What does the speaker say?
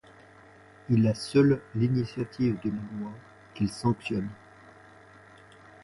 Il a seul l'initiative de la Loi, qu'il sanctionne.